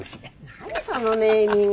何そのネーミング。